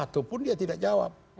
satupun dia tidak jawab